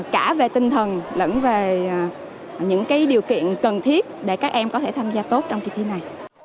cả về tinh thần lẫn về những điều kiện cần thiết để các em có thể tham gia tốt trong kỳ thi này